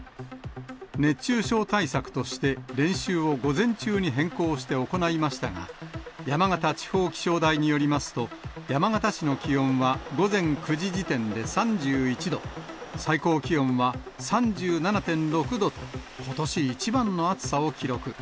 熱中症対策として練習を午前中に変更して行いましたが、山形地方気象台によりますと、山形市の気温は午前９時時点で３１度、最高気温は３７．６度と、ことし一番の暑さを記録。